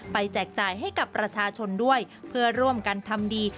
แจกจ่ายให้กับประชาชนด้วยเพื่อร่วมกันทำดี